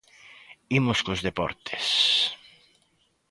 Imos cos deportes.